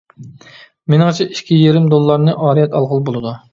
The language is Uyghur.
مېنىڭچە ئىككى يېرىم دوللارنى ئارىيەت ئالغىلى بولىدۇ.